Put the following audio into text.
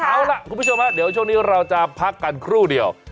เอาล่ะคุณผู้ชมเดี๋ยวช่วงนี้เราจะพักกันครู่เดียว